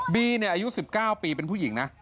บีเนี่ยอายุ๑๙ปีเป็นผู้หญิงนะ